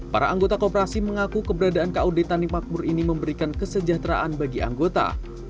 para anggota kooperasi mengaku keberadaan kaudi tanik makmur ini memberikan kesejahteraan bagi anggota